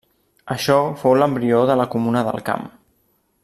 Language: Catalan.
Això fou l'embrió de la Comuna del Camp.